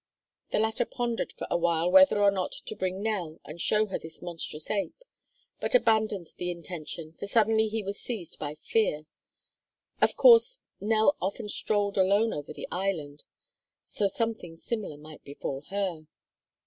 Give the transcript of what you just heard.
The latter pondered for a while whether or not to bring Nell and show her this monstrous ape, but abandoned the intention, for suddenly he was seized by fear. Of course, Nell often strolled alone over the island. So something similar might befall her.